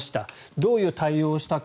どういう対応をしたか。